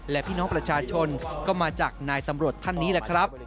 และพี่น้องประชาชนก็มาจากนายตำรวจท่านนี้แหละครับ